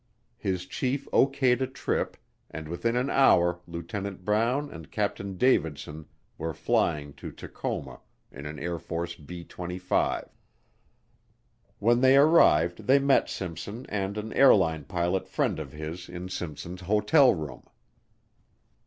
His chief OK'd a trip and within an hour Lieutenant Brown and Captain Davidson were flying to Tacoma in an Air Force B 25. When they arrived they met Simpson and an airline pilot friend of his in Simpson's hotel room.